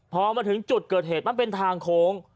พอมาถึงจุดเกิดเหตุมันเป็นทางโค้ง